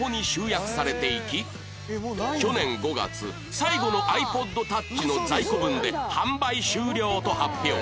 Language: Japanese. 去年５月最後の ｉＰｏｄｔｏｕｃｈ の在庫分で販売終了と発表